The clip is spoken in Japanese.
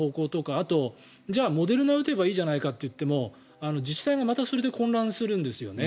あとは、モデルナを打てばいいじゃないかといっても自治体がまたそれで混乱するんですね。